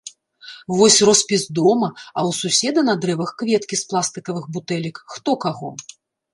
Вось роспіс дома, а ў суседа на дрэвах кветкі з пластыкавых бутэлек, хто каго?